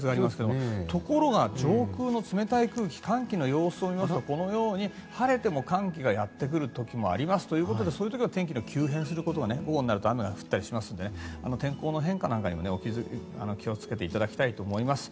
ところが、上空の冷たい空気寒気の様子を見ますと晴れても寒気がやってくる時もありますということでそういう時は天気が急変することもあって午後になると雨が降ったりしますので天候の変化にも気をつけていただきたいと思います。